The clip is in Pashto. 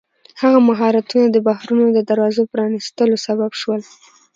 هغه مهارتونه د بحرونو د دروازو پرانیستلو سبب شول.